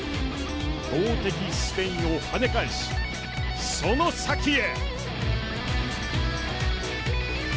強敵スペインを跳ね返しその先へ。